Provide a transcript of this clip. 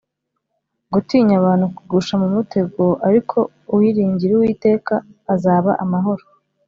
gutinya abantu kugusha mu mutego, ariko uwiringira uwiteka azaba amahoro